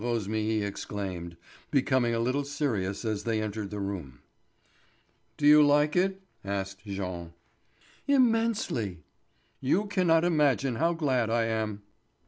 Rosémilly exclaimed, becoming a little serious as they entered the room. "Do you like it?" asked Jean. "Immensely." "You cannot imagine how glad I am."